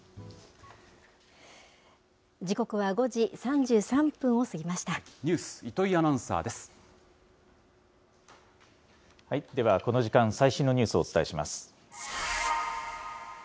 時刻は５時３３分を過ぎましニュース、糸井アナウンサーではこの時間、最新のニュースをお伝えします。